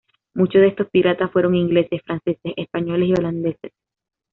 Muchos de estos piratas fueron ingleses, franceses, españoles y holandeses.